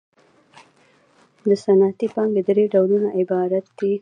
د صنعتي پانګې درې ډولونه عبارت دي